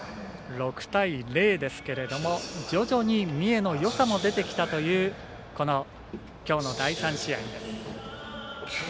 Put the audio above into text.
６対０ですけれども徐々に三重のよさも出てきたというきょうの第３試合です。